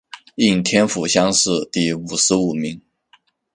应天府乡试第五十五名。